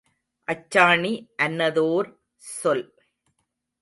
அச்சாணி அன்னதோர் சொல்.